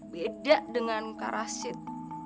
beda dengan kak rashid